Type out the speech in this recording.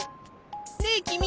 ねえきみ！